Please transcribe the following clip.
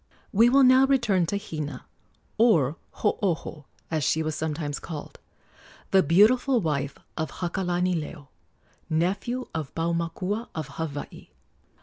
We will now return to Hina or Hooho, as she was sometimes called the beautiful wife of Hakalanileo, nephew of Paumakua, of Hawaii.